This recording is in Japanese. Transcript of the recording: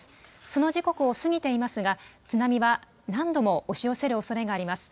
その時刻を過ぎていますが津波は何度も押し寄せるおそれがあります。